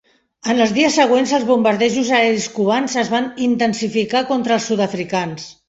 En els dies següents els bombardejos aeris cubans es van intensificar contra els sud-africans.